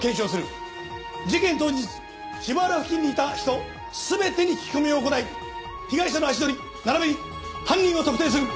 事件当日芝浦付近にいた人全てに聞き込みを行い被害者の足取り並びに犯人を特定する。